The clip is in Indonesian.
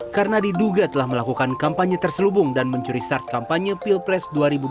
karena diduga telah melakukan kampanye terselubung dan mencuri start kampanye pilpres dua ribu dua puluh empat